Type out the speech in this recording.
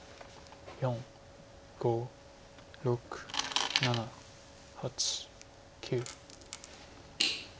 ４５６７８９。